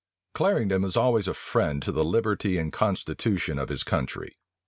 Clarendon was always a friend to the liberty and constitution of his country.